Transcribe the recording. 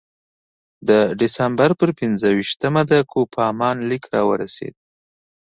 د ډسامبر پر پنځه ویشتمه د کوفمان لیک راورسېد.